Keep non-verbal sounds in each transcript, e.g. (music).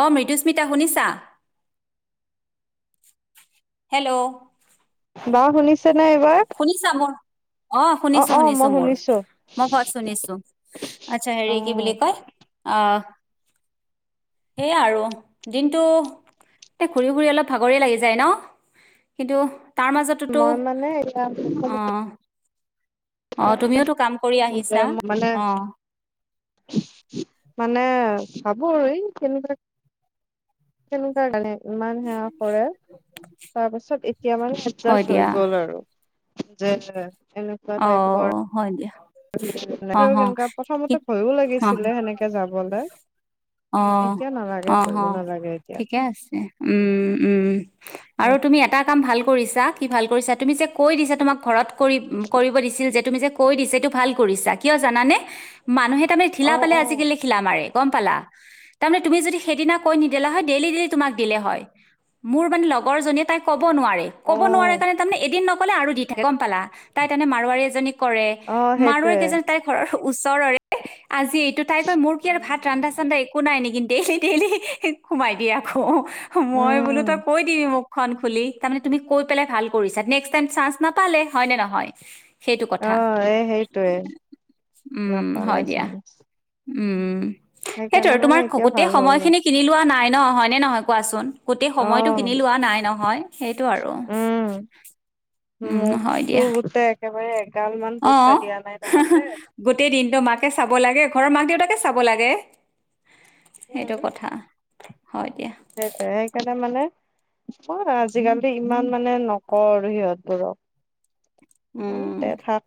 অ, মৃদুস্মিতা শুনিছা? হেল্ল', বা শুনিছ শুনিছা মোৰ অ, শুনিছো -শুনিছো মোৰ মই ভইচ শুনিছো আচ্ছা হেৰি কি বুলি অ', কয় আহ এইয়া আৰু দিনটো এ ঘূৰি- ঘূৰি অলপ ভাগৰে লাগি যায় ন' কিন্তু তাৰ মাজতোতো মই অ (unintelligible) অ (unintelligible) তুমিওতো কাম কৰি মই আহিছা মানে, অ মানে (unintelligible) (inaudible) ইমান সেৱা কৰে, তাৰপিছত এতিয়া মানে হয় এডজাস্ত দিয়া হৈ গ'ল আৰু। (unintelligible) অ', টাইপৰ হয়, দিয়া। অ', অহ, কেনেকুৱা কি, প্ৰথমতে ভয়ো অহ, লাগিছিলে সেনেকে যাবলে অহ, অহ, এতিয়া নালাগে অহ, ভয়ো নালাগে এতিয়া ঠিকে আছে উম, উম, আৰু উম, তুমি এটা কাম ভাল কৰিছা, কি ভাল কৰিছা তুমি যে কৈ দিছা, তোমাক ঘৰত কৰি ছিল যে তুমি যে কৈ দি (unintelligible) এইটো ভাল কৰিছা। কিয় জানানে, মানুহে তাৰমানে ঢিলা অ', পালে, অ', আজিকালি শিলা মাৰে। গম পালা, তাৰমানে তুমি যদি সেইদিনা কৈ নিদিলা হয়, ডেইলী-ডেইলী তোমাক দিলে হয়। মোৰ মানে লগৰ জনীয়ে তাই ক'ব নোৱাৰে, ক'ব নোৱাৰে অ', কাৰণে তাৰমানে এদিন ন নক'লে আৰু দি থাকে গম পালা? তাই তেনে মাৰোৱাৰী এজনীক কৰে! অ', মাৰোৱাৰী সেইটোৱে কেইজনী তাইৰ ঘৰৰ ওচৰৰে। আজি এইটো, তাই কয় মোৰ কি আৰু উম, ভাত ৰান্ধা- চান্ধা একো একো নাই নেকি, ডেইলি-ডেইলি সোমাই দিয়ে আকৌ। মই বোলোঁ, উম তই কৈ দিবি মোক। মুখখন খুলি, তাৰমানে তুমি কৈ পেলাই ভাল কৰিছা। নেক্স টাইম চান্স নাপালে হয়নে নহয়? (inaudible) অ', এ হেইটোৱে! উম হয় নাপালে দিয়া চান্স। উম। হেইটোৱে সেইকাৰণে আৰু মানে তোমাৰ এতিয়া গোটেই ভাল হ'ল সময়খিনি কিনি লোৱা নাই। ন হয়নে নহয় কোৱাচোন। গোটেই অ সময়টো কিনি লোৱা নাই নহয়। সেইটো আৰু, উম উম হয় মোকতো দিয়া। (inaudible) পইচা অ' দিয়া নাই তাহাঁতে গোটেই দিনটো মাক চাব লাগে ঘৰৰ মাক দেউতাকে চাব লাগে। সেইটো কথা। হয় দিয়া সেইটোয়ে, সেইকাৰণে মানে, অ' আজিকালি ইমান মানে নকওঁ আৰু সিহঁতবোৰক। উম তে থাক।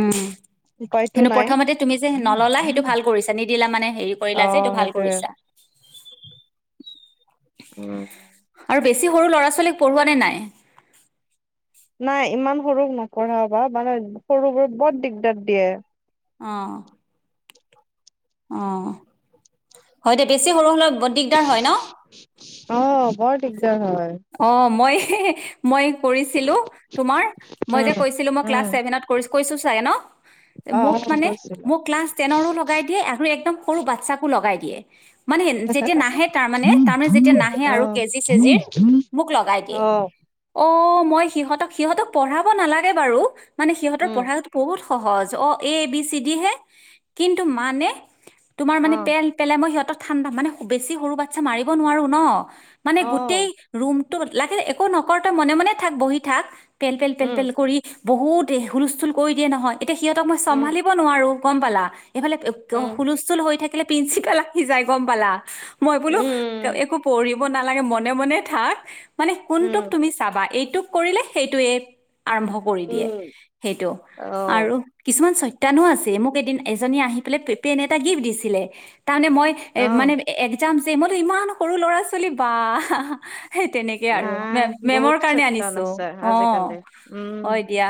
উম। উপায়তো কিন্তু নাই প্ৰথমতে তুমি যে নল'লা সেইটো ভাল কৰিছা, নিদিলা মানে হেৰি কৰিলা অ যে এইটো ভাল সেইটোয়ে কৰিছা। উম। আৰু বেছি সৰু ল'ৰা ছোৱালীক পঢ়োৱা নে নাই? নাই ইমান সৰুক নপঢ়াও বা, মানে সৰুবোৰ বৰ দিগদাৰ দিয়ে। অ'। অ' হয় দে বেছি সৰু হলেও, বহত দিগদাৰ হয় ন'। অ বৰ দিগদাৰ হয় অ' মই, মই, কৰিছিলোঁ তোমাৰ, মই উম যে কৈছিলোঁ মই ক্লাছ উম চেভেনত কৈছি ন'। অ অ মোক মানে কৈছিলা মোক ক্লাছ টেনৰো লগাই দিয়ে আৰু একদম, সৰু বাচ্ছাকো লগাই দিয়ে। মানে যেতিয়া নাহে তাৰ মানে তাৰমানে যেতিয়া নাহে অ আৰু কেজি চজিৰ, মোক লগাই অ দিয়ে, অ'। মই সিহঁতক, সিহঁতক পঢ়াব নালাগে বাৰু, মানে সিহঁতৰ উম পঢ়াটো বহুত সহজ অ', এ এ বি চি ডি হে, কিন্তু মানে, তোমাৰ মানে অ পেল, পেল মই সিহঁত ঠাণ্ডা মানে বেছি সৰু বাচ্ছা মাৰিব নোৱাৰো ন'। মানে অ'। গোটেই, টো লাগিল একো নকৰ' তই মনে মনে থাক বহি থাক। পেল, পেল, পেল, উম, পেল কৰি, বহুত হুলস্থুল কৰি দিয়ে নহয়, এতিয়া সিহঁতক মই উম, চম্ভালিব নোৱাৰো গম পালা। এইফালে উম, হুলস্থুল হৈ থাকে। প্ৰিন্ঞ্চিপাল আহি যায় গম পালা। মই বোলো উম, একো পম দিব নালাগে মনে, মনে, থাক, মানে কোনটোক উম, তুমি চাবা, এইটোক, কৰিলে সেইটোৱেই, আৰম্ভ কৰি দিয়ে উম। সেইটো অ', আৰু কিছুমান চতানো আছে মোক এদিন এজনী আহি পেলাই পেন এটা গিফ্ট দিছিলে। তাৰমানে মই এ মানে অ', যাম যে মই টো ইমান সৰু ল'ৰা ছোৱালী বা। সেই তেনেকেই আৰু নাই মে বহুত মেমৰ কাৰণে চেকচন আনিছোঁ আছে অ আজিকালি। উম, হয় দিয়া।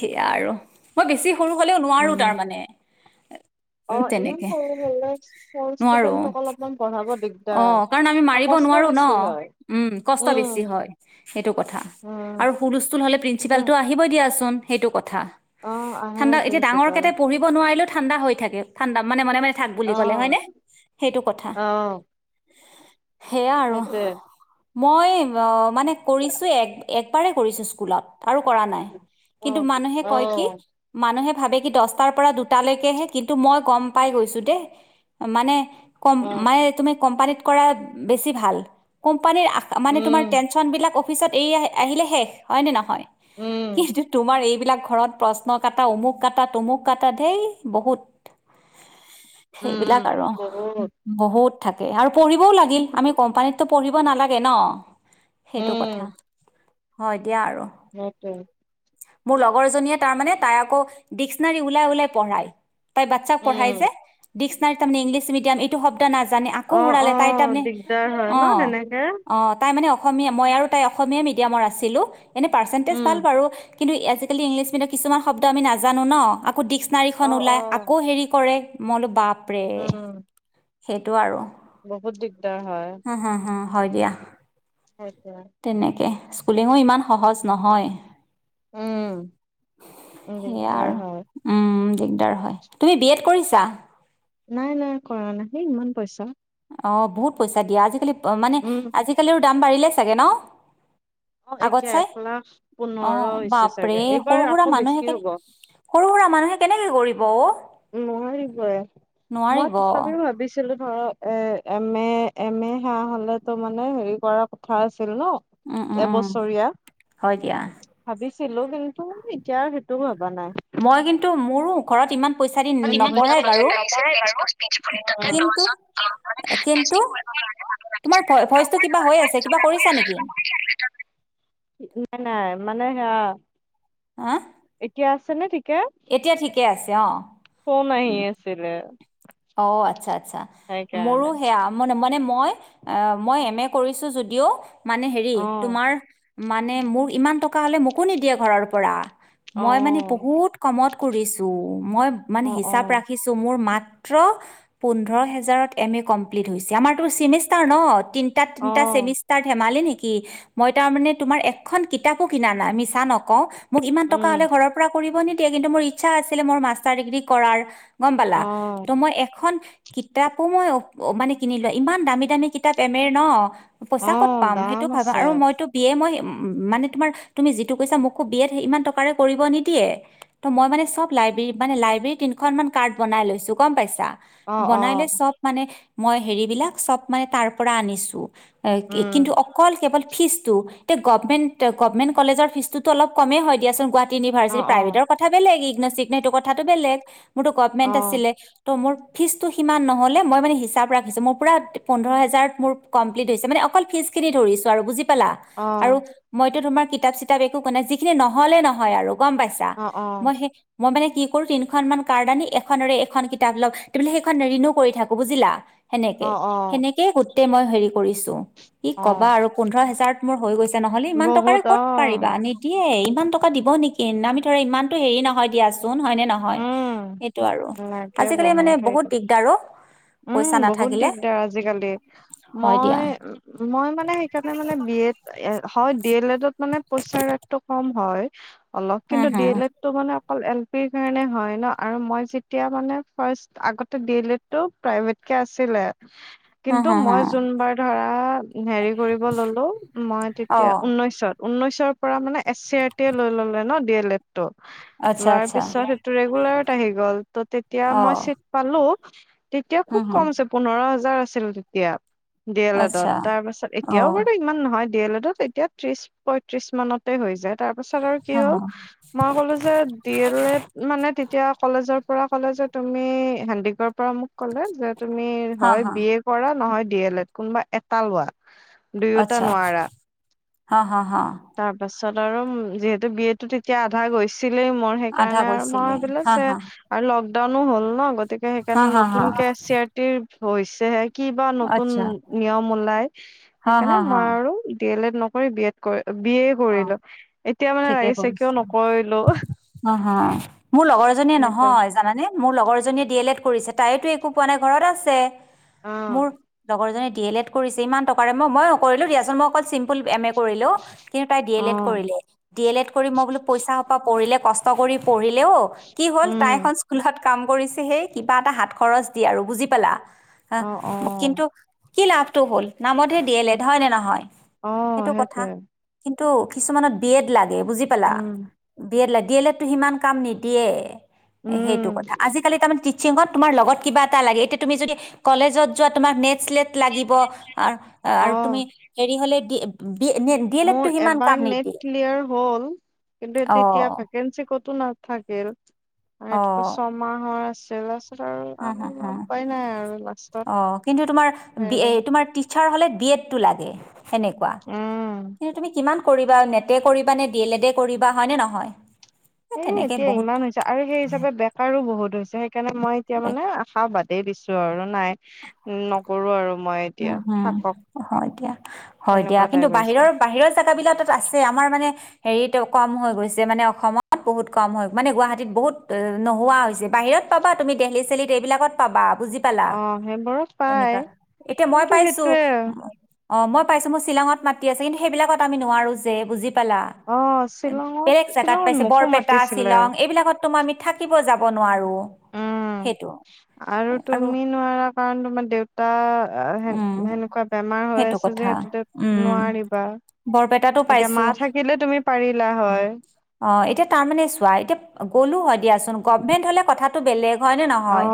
সেয়া আৰু মই বেছি সৰু হলেও নোৱাৰো উম। তাৰ মানে। হয়। অ ইমান সৰু স নোৱাৰো ষ্টুডেন্টক অলপমান পঢ়াব দিগ অ কাৰণ আমি মাৰিব নোৱাৰো ন উম কষ্ট বেছি উম, হয় সেইটো কথা উম, আৰু হুলস্থুল হ'লে কিয় প্ৰিন্ঞ্চিপালটো আহিবই দি য়াচোন সেইটো কথা। অ', আহে ঠাণ্ডা এতিয়া ডাঙৰ প্ৰিন্সিপাল। কেইটাই পঢ়িব নোৱাৰিলো ঠাণ্ডা হৈ থাকে ঠাণ্ডা মানে মনে মনে থাক বুলি ক'লে হয় অ', নে সেইটো কথা। অ', সেইয়া আৰু। সেইটোৱে মই মানে কৰিছোঁ এক একবাৰেই কৰিছোঁ স্কুলত। তাৰো কৰা নাই কিন্তু অ', মানুহে কয় কি অ', মানুহে ভাবে কি দহটাৰ পৰা দুটালৈকেহে কিন্তু মই গম পাই গৈছো দেই মানে কম অ', মানে তুমি কোম্পানীত কৰা বেছি ভাল। কোম্প পানীৰ মানে তোমাৰ উম। টেনচন বিলাক অসু অফিচত এই আহ আহিলে শেষ হয়নে নহয়। উম, কিন্তু তোমাৰ এই বিলাক ঘৰত প্ৰশ্ন কটা অমুক কটা তুমুক কটা ঢেইৰ বহুত। উম, সেইবিলাক আৰু বহুত বহুত থাকে আৰু পঢ়িবও লাগে আমি কোম্পানীত টো পঢ়িব নালাগে ন। সেইটো উম, কথা। হয় দিয়া আৰু। সেইটোৱে। মোৰ লগৰ জনীয়ে তাৰ মানে তাই আকৌ ডিক্সনাৰী ওলাই ওলাই পঢ়ায়। তাই বাচ্ছাক পঢ়াই উম। যে ডিস্ক তাই তাৰমানে ইংলিছ মিডিয়াম এইটো শব্দ ন (unintelligible) আকৌ অ', (unintelligible) তাই অ', তাৰে দিগদাৰ হয় ন অ' সেনেকে। অ' তাই মানে‌‌ অসমীয়া মই আৰু তাই অসমীয়া মিডিয়ামৰ আছিলে। এনেই পাৰ্চেন্টেজ উম, ভাল বাৰু। কিন্তু আজিকালি ইংলিছ মিডিয়াম কিছুমান শব্দ আমি নানো ন। আকৌ অ', ডিক্সনাৰীখন ওলাই, অ', আকৌ হেৰি কৰে মই বোলো বাপ উম। সেইটো আৰু। বহুত ডিগদাৰ হয়। হা হা হা হয়, দিয়া। সেইটোৱে। তেনেকে। স্কুলিঙো ইমান সহজ নহয়। উম, সেইয়া দিগদাৰ আৰু হয়, উম। দিগদাৰ হয়, তুমি বি এড কৰিছা? নাই, নাই, কৰা নাই হে ইমান পইচা। অ'বহুত পইচা দিয়া আজিকালি অ' মানে উম, আজিকালি দাম বাঢ়িলে চাগে ন। অ' আগত এতিয়া চাই এক লাখ অঁ পোন্ধৰ হৈছে বাপৰে চাগে। সৰু এইবাৰ সুৰা আকৌ মানুহে বেছি কেনে হ'ব। সৰু সুৰা মানুহে কেনেকে কৰিব অ' নোৱাৰিবই, মই নোৱাৰিব তথাপিও ভাবিছিলোঁ ধৰক। এ এম এ এম এ সেৱা হলেতো মানে হেৰি কৰাৰ কথা আছিল। ছিল ন উম উম উম এবছৰীয়া হয় দিয়া ভাবিছো। ছিলো, কিন্তু এতিয়া সেইটো ভাবি মই কিন্তু মোৰো, ঘৰত ইমান পইচা দি নাই, নপঢ়াই বাৰু কিন্তু কিন্তু তোমাৰ ভইচটো কিবা হৈ আছে কিবা কৰিছা নেকি নাই, মানে হেয়া হাঁ এতিয়া আছে নে, থিক এতিয়া ঠিকে আছে, অ' ফোন আহি আছিলে অ', আচ্ছা, আচ্ছা। মোৰো সেইকাৰণে সেয়া, মানে মা নে মই, মই এম এ কৰিছোঁ যদিওঁ মানে হেৰি, অ তোমাৰ মানে মোক, ইমান টকা হ'লে মোকো নিদিয়ে ঘৰৰ পৰা। অ মই মানে বহুত কমত কৰিছোঁ, মই মানে অ অ হিচাপ ৰাখিছোঁ, মোৰ মাত ত্ৰ পোন্ধৰ হেজাৰত এম এ কমপ্লিট হৈছে। আমাৰতো চেমিষ্টাৰ ন? তিনটা, অ তিনটা চেমিষ্টাৰ ধেমালি নেকি! কি, মই তাৰমানে তোমাৰ এখন কিতাপো কিনা নাই, মিছা নকওঁ মোক ইমান টকা উম হ'লে ঘৰৰ পৰা কৰিব নিদিয়ে, কিন্তু মোৰ ইচ্ছা আছিলে মোৰ মাষ্টাৰ ডিগ্ৰী কৰাৰ। গম অ পালা? ত' মই এখন কিতাপো মই অ' মানে কিনি লোৱা ইমান দামী দামী কিতাপ এমেৰ ন অ পইচা ক'ত পাম দাম সেইটো ভাবা আছে আৰু মইতো বিয়ে মই উ মানে তোমাৰ তুমি যিটো কৈছা মোকো বি ইমান টকাৰে কৰিব নিদিয়ে ত মই মানে চব লাইব্ৰৰ মানে লাইব্ৰেৰ তিনখনান কাৰ্ড বনাই লৈছো গম পাইছে অ অ বনাই লৈ চব মানে মই হেৰিবিলাক চব মানে তাৰ পৰা আনিছো উম কিন্তু অকল কেৱল ফিজটো তে গভমেণ্ট গভমেণ্ট কলেজৰ ফীজতো অল কমেই হয় দিয়াচোন গাহ অ ইনিভাৰ্চিটি অ প্ৰভটৰ কথা বেলেগ ই নছিল এইটো কথাটো বেলেগ মোৰতো অ গভমেন্ট আছিলে ত' মোৰ ফিজটো সিমান নহ'লে মই মানে হিচাপ ৰাখিছোঁ মোৰ পূৰা পোন্ধৰ হেজাৰত মোৰ কম্প্লিট হৈছে মানে অকল ফিজখিনি ধৰিছোঁ আৰু বুজ পালা অ অ আৰু মইতো তোমাৰ কিতাপ চিতাপ একো ক নাই যিখিনি নহলে নহয় আৰু গম পাইছা অ মই সেই মই মানে কি কৰো তিন খ মান কাৰ্ড আনি এখনেৰে এখন অলপ ত বোলে সেইখন ৰিণু কৰি থাকো বুজিলা অ সেনেকে অ সেনেকে গোটেই মই হেৰি কৰ কৰিছোঁ। কি অ কবা আৰু পোন্ধৰ হেজাৰত মোৰ হৈ গৈছে, নহলে ইমান টকাৰে বহুত অ ক'ত পাৰিবা? নিদিয়ে ইমান টকা দিব নেকি? আমি ধৰা ইমানটো হেৰি নহয় দিয়াচোন হয়নে নহয়। উম সেইটো আৰু। লাগে আজিকালি মানে বহুত সেইটো দিগদাৰ অ'। পইচা উম বহুত নাথাকিলে দিগদাৰ, আজিকালি হয় দিয়া মই, মই মানে সেইকাৰণে মানে বিয়ে এ হয় ডি এল এডত মানে পইচাৰ ৰেটটো কম হয়। অলপ, উম কিন্তু ডি হুম এল এদটো মানে অকল এল পিৰ কাৰণে হয় ন, আৰু মই যেতিয়া মানে ফাৰ্ষ্ট আগতে দি এল তাতো প্ৰাইভেট কে আছিলে। উম কিন্তু হুম মই হুম যোনবাৰ ধৰা হেৰি কৰিব ললো, মই অ তেতিয়া উনৈশত। ঊনৈশৰ পৰা মানে এছ চি আৰ টিয়ে লৈ ল'লে ন। D L Ed. টো আচ্ছা লোৱাৰ আচ্ছা পিছত সেইটো ৰেগুলাৰত আহি গ'ল, ত' তেতিয়া অ মই চিট পালো। আ (unintelligible) তেতিয়া হুম খুব হুম কম আছে। পোন্ধৰ হাজাৰ আছে। আছিলো তেতিয়া ডি এল এডত, আচ্ছা তাৰ পাছত অ এতিয়াও বাৰু ইমান নহয় ডি এল এডত তেতিয়া ত্ৰিশ পঁয়ত্ৰিশ মানতে হৈ যায়। তাৰ পিছত আৰু কি হা হ'ল হা মই ক'লো যে, ডি এল এড মানে তেতিয়া কলেজৰ পৰা কলে যে তুমি হেনদিকৰ পৰা ক'লে যে তুমি হা হয় হা বি এ কৰা নহয় ডি এল এড। কোনোবা এটা লোৱা দুয়োটা নোৱাৰা অ' হ হা তাৰপাছত আৰু যিহেতু বি এ টো তেতিয়া আধা গৈছে ছিলেই মোৰ আধা সেইকাৰণে আৰু মই গৈছিলে ভাবিলো হা যে হা আৰু লগ ো হ'ল ন গ (unintelligible) গতিকে হা সেইকাৰণে হা হা নতুক কে চি আৰ টিৰ হৈছে হে কি বা নতুন আচ্ছা নিয়ম ওলায়, হা সেইকাৰণে হা হা মই আৰু ডি এল এড নকৰি বি এড কৰে অ, ঠিকে লাগিছে কিয় কৰিছা। নকৰিলো হাঁ, হাঁ, মোৰ লগৰ এজনীয়ে সেইটোৱে নহয়, জানানে মোৰ লগৰ এজ জনীয়ে ডি এল এড কৰিছে। তায়োতো একো পোৱা নাই, ঘৰত আছে অ মোৰ লগৰজনি ডি এল এড কৰিছে ইমান টকাৰে। মই নকৰিলো দিয়াচোন, মই অকল চিম্পুল এম এ কৰিলোঁ। কিন্তু তাই ডি এল অ এড কৰিলে। ডি এল এড কৰি মই বোলো পইচাসোপা পৰিলে কষ্ট কৰি পঢ়িলেও, কি হ'ল তাই উম এখন স্কুলত কাম কৰিছে, হেই কিবা এটা হাত খৰচ দিয়ে আৰু বুজি পালা? আ, অ অ কিন্তু কি লাভটো হ'ল, নামতহে ডি‌ এল এড‌, হয়নে নহয়? অ', সেইটো কথা সেইটোৱে। কিন্তু কিছুমানত বি এড লাগ গে, বুজি পালা, উম বি‌ এড লাগে দিয়েলএড টো সিমান কাম নিদিয়ে, সেইটো উম কথা আজিকালি তাৰমানে, তোমাৰ লগত কিবা এটা লাগে এতিয়া তুমি যদি কলেজত যোৱা তোমাক নেট স্লেট লাগিব আৰু অ হেৰি হলে তুমি উম দিয়েলএড মোৰ এবাৰ নেট ক্লিয়াৰ হ'ল কিন্তু অ তেতিয়া ভেকেঞ্চি ক'তো নাথাকিল ছমাহত আছে হ হ হ লাষ্টত অ' কিন্তু তোমাৰ বি হেৰি অ' তোমাৰ টিছাৰ হ'লে বিয়ডটো লাগে তেনেকুৱা উম কিন্তু তুমি কিমান কৰিবা, নেটে কৰিবা নে ডি এল এড কৰিবা হয় নে নহয় এই এ তেনেকে এতিয়া ইমান বহুত হৈছে আৰু সেই হিচাপে বেকাৰো বহুত হৈছে সেইকাৰণে মই এতিয়া মানে আশা বাদেই দিছো আৰু নাই উ নকৰো আৰু মই এতিয়া উম হম থাকক হয় দিয়া হয় দিয়া তেনেকুৱা কিন্তু টাইপ হৈছে বাহিৰৰ বাহিৰৰ জোগাাবিলাকত আছে আমাৰ মানে হেৰিটো কম হৈ গৈছে, মানে অসমত বহুত কম হৈ মানে গুৱাহাটীত বহুত নোহোৱা হৈছে বাহিৰত পাবা তুমি দেলহি চেলহিত সেইবিলাকত পাবা বুজি পালা অ, সেইবোৰত পায়। তেনেকুৱা এতিয়া মই পাইছোঁ অ, মই পাইছোঁ, মোৰ শ্বিলঙত মাতি আছে। কিন্তু সেইবিলাকত আমি নোৱাৰো যে বুজি পালা? অ বেলেগ শ্বিলঙত জেগাত শ্বিলঙত পাইছে, মোকো বৰপেটা, মাতিছিলে শ্বিলং এইবিলাকত তো আমি থাকিব যাব নোৱাৰোঁ। উম আৰু তুমি নোৱাৰা কাৰণ তোমাৰ দেউতা, উম তেনেকুৱা বেমাৰ হৈ সেইটো আছে কথা যে সেইটোটো উম নোৱাৰিবা বৰপেটাতো এতিয়া মা পাইছোঁ থাকিলে তুমি পাৰিলা হয়। অ এতিয়া তাৰ মানে চোৱা এতিয়া গ'লো হয় দিয়া, গভমেট হ'লে কথা, বেলেগ, হয় ন অ নহয়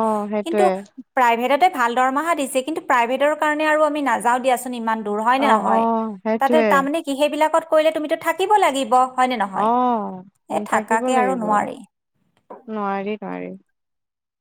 কিন্তু সেইটোয়ে প্ৰাইভেটতে, ভাল দৰমহা দিছে কিন্তু, প্ৰাইভেটৰ কাৰণে আৰু আমি নাযাওঁ দিয়াচোন ইমান। দূৰ হয় অ নে অ নহয় তাতে সেইটোয়ে তাৰমানে কি সেইবিলাকত, কৰিলে তুমিতো থাকিব লাগিব। হয় নে নহয়? এ অ' থাকিব থাকাকে আৰু লাগিব। নোৱাৰি। নোৱাৰি, নোৱাৰি